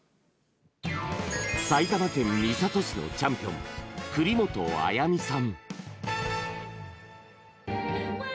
埼玉県三郷市のチャンピオン栗本彩未さん。